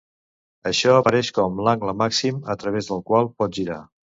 Això apareix com l'angle màxim a través del qual pot girar.